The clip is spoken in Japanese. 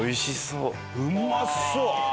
うまそう！